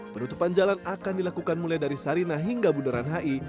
penutupan jalan akan dilakukan mulai dari sarinah hingga bundaran hi